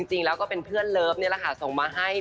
จริงแล้วก็เป็นเพื่อนเลิฟนี่แหละค่ะส่งมาให้